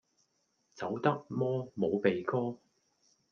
走得摩冇鼻哥